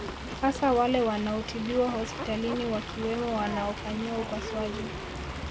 Hasa wale wanaotibiwa hospitalini wakiwemo wanaofanyiwa upasuaji